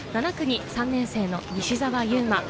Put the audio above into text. ７区に３年生の西澤侑真。